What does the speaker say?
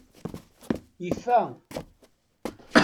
Ifa.